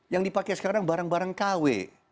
yang dipakai sekarang barang barang kw